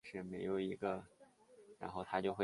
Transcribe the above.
丈夫是同业后藤圭二。